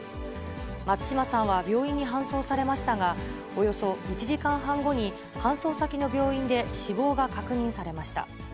松島さんは病院に搬送されましたが、およそ１時間半後に、搬送先の病院で死亡が確認されました。